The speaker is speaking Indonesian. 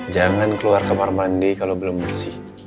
jangan keluar kamar mandi kalau belum bersih